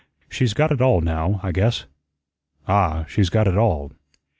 She's got it all now, I guess." "Ah, she's got it all."